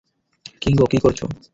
কিঙ্গো, কী করছ?